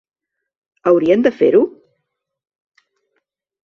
Haurien de fer-ho?